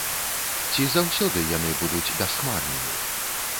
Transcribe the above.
Ці заўсёды яны будуць бясхмарнымі?